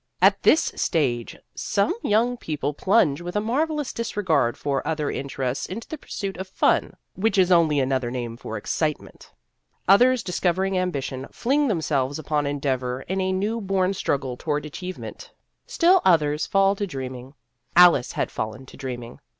At this stage some young people plunge with a marvellous disregard for other interests into the pursuit of " fun," which is only another name for excitement ; others dis covering ambition fling themselves upon endeavor in a new born struggle toward achievement ; still others fall to dreaming. 2 Vassar Studies Alice had fallen to dreaming.